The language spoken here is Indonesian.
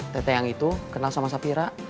tete yang itu kenal sama sapira